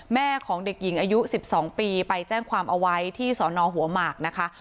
แม่ของเด็กหญิงอายุ๑๒ปีไปแจ้งความเอาไว้ที่สอนอหัวหมากนะคะ